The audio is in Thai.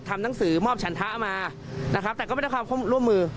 ทำหนังสือมอบฉันทะมานะครับแต่ก็ไม่ได้ความร่วมมือ